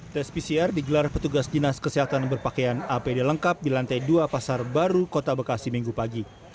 tes pcr digelar petugas dinas kesehatan berpakaian apd lengkap di lantai dua pasar baru kota bekasi minggu pagi